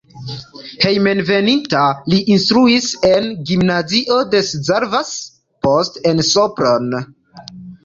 Hejmenveninta li instruis en gimnazio de Szarvas, poste en Sopron.